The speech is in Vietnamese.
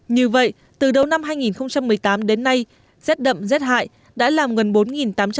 như vậy từ đầu năm hai nghìn một mươi tám đến nay xét đậm xét hại đã làm gần bốn tám trăm linh con gia súc gia cầm bị chết